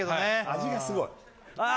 味がすごいあ